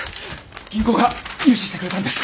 銀行が融資してくれたんです。